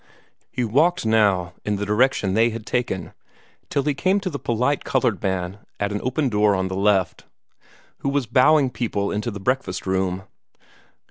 He walked now in the direction they had taken, till he came to the polite colored man at an open door on the left, who was bowing people into the breakfast room.